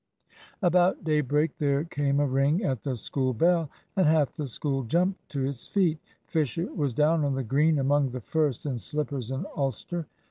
About daybreak there came a ring at the school bell, and half the school jumped to its feet. Fisher was down on the Green among the first, in slippers and ulster.